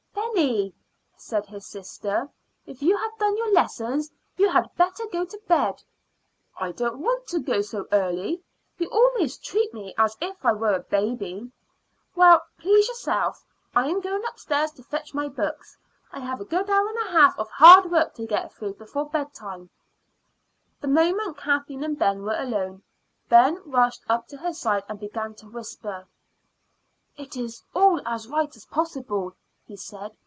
"Benny," said his sister, "if you have done your lessons, you had better go to bed." "I don't want to go so early. You always treat me as if I were a baby." "Well, please yourself. I am going upstairs to fetch my books. I have a good hour and a half of hard work to get through before bedtime." The moment Kathleen and Ben were alone, Ben rushed up to her side and began to whisper. "It is all as right as possible," he said.